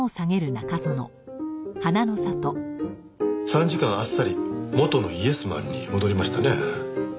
参事官あっさり元のイエスマンに戻りましたね。